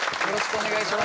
お願いします。